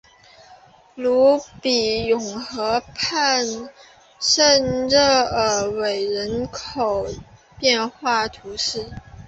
鲁比永河畔圣热尔韦人口变化图示